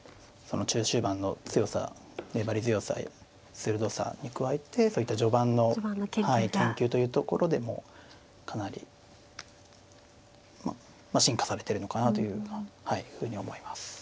その中終盤の強さ粘り強さ鋭さに加えてそういった序盤の研究というところでもかなりまあ進化されてるのかなというふうに思います。